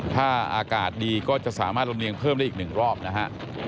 ถ้าอากาศดีก็จะสามารถลำเนียงเพิ่มได้อีกหนึ่งรอบนะฮะ